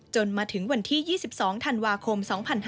มาถึงวันที่๒๒ธันวาคม๒๕๕๙